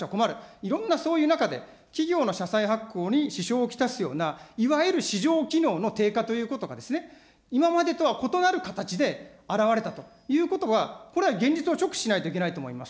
いろんな、そういう中で、企業の社債発行に支障を来すような、いわゆる市場機能の低下ということが、今までとは異なる形で、表れたということは、これは現実を直視しなきゃいけないと思います。